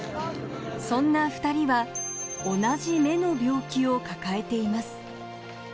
そんな２人は同じ目の病気を抱えています。